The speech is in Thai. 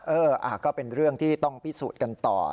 เออก็เป็นเรื่องที่ต้องพิสูจน์กันต่อ